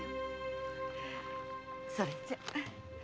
それじゃ。